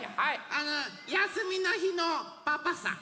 あのやすみのひのパパさん。